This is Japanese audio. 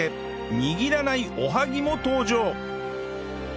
握らないおはぎも登場